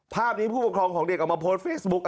ภาพนี้ผู้ปกครองของเด็กออกมาโพสต์เฟซบุ๊ค